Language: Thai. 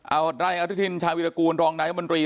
เอ้าด่านอธิษฎินชาวีรกูลรองนัยว่าบรรดิ